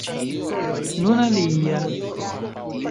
Nun alia!